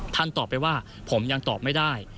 ตอบไปว่าผมยังตอบไม่ได้